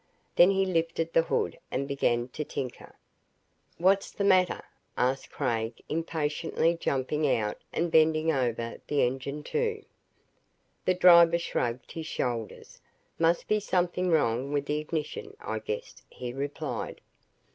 Then he lifted the hood and began to tinker. "What's the matter?" asked Craig, impatiently jumping out and bending over the engine, too. The driver shrugged his shoulders. "Must be something wrong with the ignition, I guess," he replied.